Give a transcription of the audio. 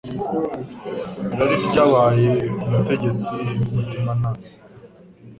Irari ryabaye umutegetsi w’umutimanama.